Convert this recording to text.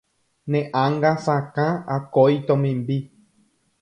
Ne ánga sakã akói tomimbi